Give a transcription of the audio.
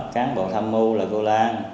cán bộ thăm mưu là cô lan